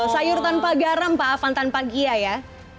sayur tanpa garam pak afan tanpa gia ya